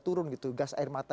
sudah turun gas air mata